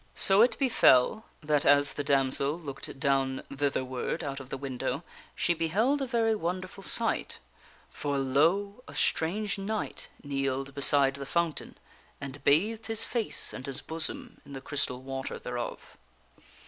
So it befell that as the damsel looked down thitherward out of the window, she beheld a very wonderful sight. For, lo ! a strange knight The damsel be kneeled beside the fountain and bathed his face and his bosom holds a knight in the crystal water thereof.